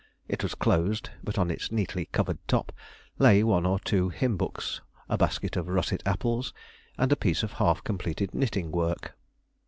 It was closed, but on its neatly covered top lay one or two hymn books, a basket of russet apples, and a piece of half completed knitting work.